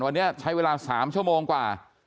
วันนี้ใช้เวลา๓ชั่วโมงกว่า